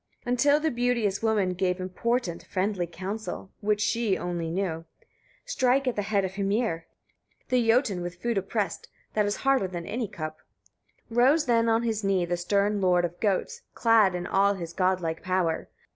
30. Until the beauteous woman gave important, friendly counsel, which she only knew: "Strike at the head of Hymir, the Jotun with food oppressed, that is harder than any cup." 31. Rose then on his knee the stern lord of goats, clad in all his godlike power.